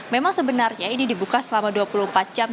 memang sebenarnya ini dibuka selama dua puluh empat jam